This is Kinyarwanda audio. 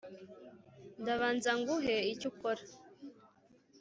ndabanza nguhe icyo ukora